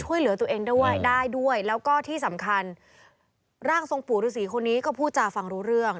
ช่วยเหลือตัวเองด้วยได้ด้วยแล้วก็ที่สำคัญร่างทรงปู่ฤษีคนนี้ก็พูดจาฟังรู้เรื่อง